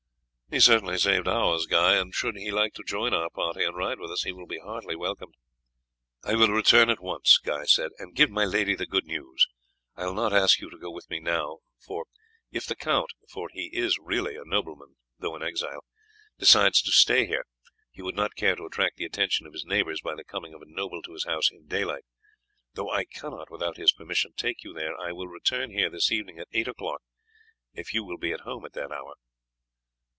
"He certainly saved ours, Guy, and should he like to join your party and ride with us he will be heartily welcomed." "I will return at once," Guy said, "and give my lady the good news. I will not ask you to go with me now, for if the count for he is really a nobleman though an exile decides to stay here he would not care to attract the attention of his neighbours by the coming of a noble to his house in daylight. Though I cannot without his permission take you there, I will return here this evening at eight o'clock, if you will be at home at that hour."